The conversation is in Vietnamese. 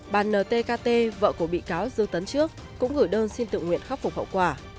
bà ntkt vợ của bị cáo dương tấn trước cũng gửi đơn xin tự nguyện khắc phục hậu quả